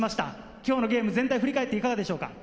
今日のゲーム、全体を振り返っていかがでしょうか？